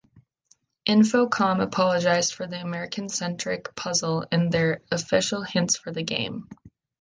Infocom apologized for the American-centric puzzle in their official hints for the game.